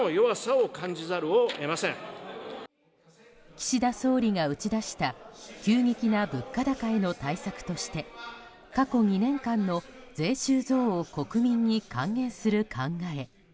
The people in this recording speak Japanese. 岸田総理が打ち出した急激な物価高への対策として過去２年間の税収増を国民に還元する考え。